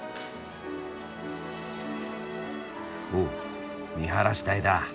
おっ見晴らし台だ。